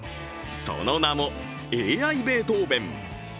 その名も、ＡＩベートーベン。